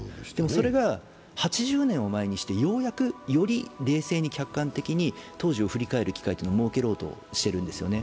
それが８０年を前にしてようやく冷静に、客観的に当時を振り返る機会を設けようとしているんですね。